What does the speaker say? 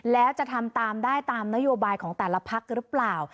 แล้วจะทำตามได้ตามนโยบายของแต่ละพักหรือเปล่า